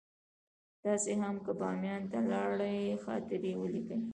تاسې هم که باميان ته لاړئ خاطرې ولیکئ.